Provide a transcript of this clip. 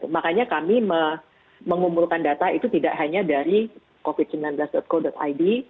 makanya kami mengumpulkan data itu tidak hanya dari covid sembilan belas co id